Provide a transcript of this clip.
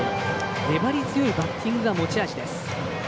粘り強いバッティングが持ち味。